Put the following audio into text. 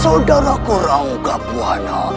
saudaraku rangga buana